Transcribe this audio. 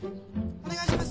お願いします！